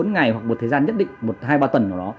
hai ba bốn ngày hoặc một thời gian nhất định hai ba tuần nào đó